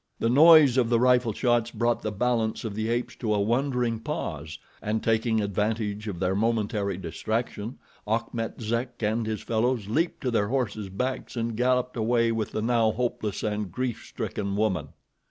The noise of the rifle shots brought the balance of the apes to a wondering pause, and, taking advantage of their momentary distraction, Achmet Zek and his fellows leaped to their horses' backs and galloped away with the now hopeless and grief stricken woman.